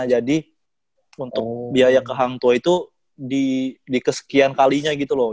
jadi untuk biaya ke hang tua itu di kesekian kalinya gitu loh